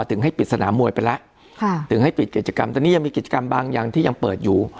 ถึงให้ปิดสนามมวยไปแล้วค่ะถึงให้ปิดกิจกรรมตอนนี้ยังมีกิจกรรมบางอย่างที่ยังเปิดอยู่